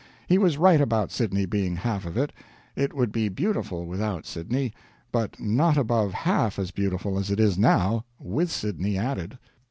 He was right about Sydney being half of it. It would be beautiful without Sydney, but not above half as beautiful as it is now, with Sydney added.